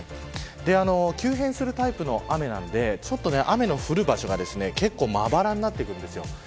急変するタイプの雨なので雨の降る場所が結構まばらになってくるんです。